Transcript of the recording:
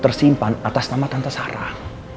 tersimpan atas nama tante sarah